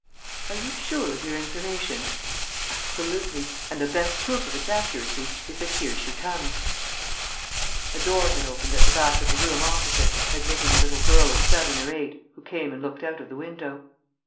"Are you sure of your information?" "Absolutely. And the best proof of its accuracy is that here she comes." A door had opened at the back of the room opposite, admitting a little girl of seven or eight, who came and looked out of the window.